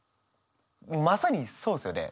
まさにそうですよね。